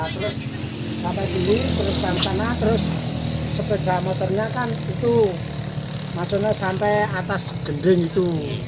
terus sampai sini terus kan sana terus sepeda motornya kan itu masuknya sampai atas gending itu